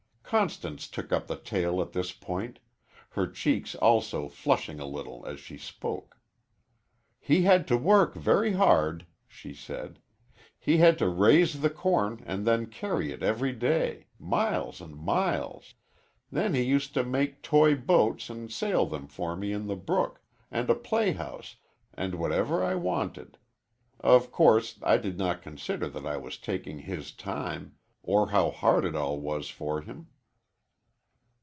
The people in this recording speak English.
Constance took up the tale at this point, her cheeks also flushing a little as she spoke. "He had to work very hard," she said. "He had to raise the corn and then carry it every day miles and miles. Then he used to make toy boats and sail them for me in the brook, and a playhouse, and whatever I wanted. Of course, I did not consider that I was taking his time, or how hard it all was for him."